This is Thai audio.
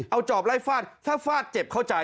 เอาจอบไล่ฟาดถ้าฟาดเจ็บเข้าใจ